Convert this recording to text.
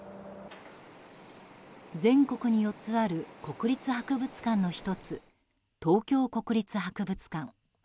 全国に４つある国立博物館の１つ東京国立博物館。